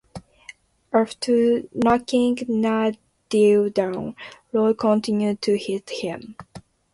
After knocking Nadeau down, Roy continued to hit him.